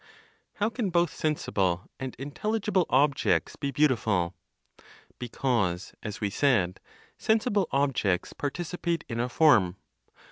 How can both sensible and intelligible objects be beautiful? Because, as we said, sensible objects participate in a form.